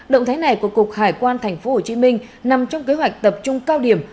động thái này của cục hải quan tp hcm nằm trong kế hoạch tập trung cao điểm